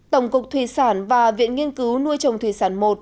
tổng cục thủy sản và viện nghiên cứu nuôi trồng thủy sản i